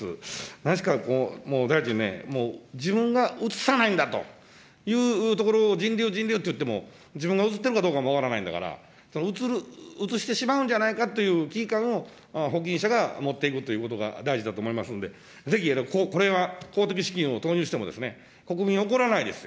確か、大臣ね、自分がうつさないんだというところ、人流、人流って言っても、自分がうつってるかどうかも分かんないんだから、うつしてしまうんじゃないかという危機感を、保菌者が持っていくということが大事だと思いますんで、ぜひ、これは公的資金を投入しても、国民怒らないですよ。